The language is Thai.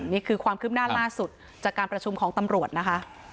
นี่คือความคืบหน้าล่าสุดจากการประชุมของตำรวจนะคะ